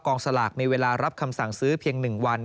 สลากในเวลารับคำสั่งซื้อเพียง๑วัน